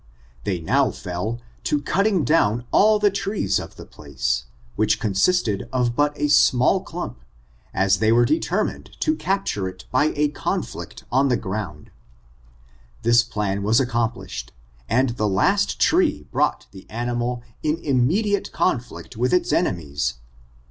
They now fell to cutting down all the trees of the place, which consisted of but a small clump, as they were deter mined to capture it by a conflict on the ground. This plan was accomplished, and the last tree brought the animal in immediate conflict with its enemies.